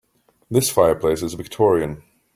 This fireplace is victorian.